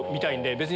別に。